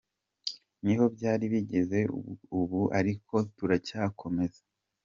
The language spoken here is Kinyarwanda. Niho byari bigeze ubu ariko turacyakomeza.